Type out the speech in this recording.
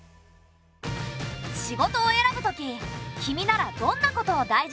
仕事を選ぶとき君ならどんなことを大事にするかな？